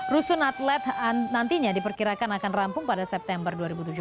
rusun atlet nantinya diperkirakan akan rampung pada september dua ribu tujuh belas